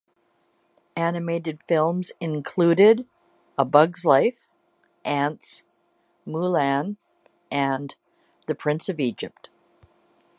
Animated films included "A Bug's Life", "Antz", "Mulan" and "The Prince of Egypt".